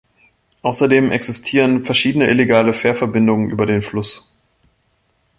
Außerdem existieren verschiedene illegale Fährverbindungen über den Fluss.